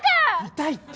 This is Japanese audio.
痛いって。